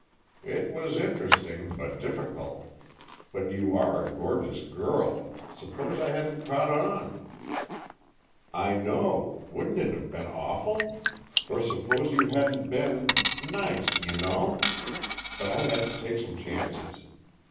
"It was interesting, but difficult. But you are a courageous girl! Suppose I hadn't caught on?" "I know! Wouldn't it have been awful? Or suppose you hadn't been nice, you know! But I had to take some chances.